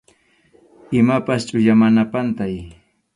Imapas chʼuya, mana pantay.